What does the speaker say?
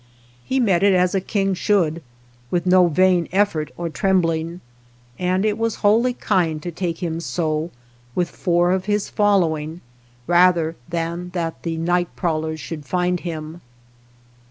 He met it as a king should, with no vain effort or trembling, and it was wholly kind to take him so with four of his following rather than that the night prowlers should find him.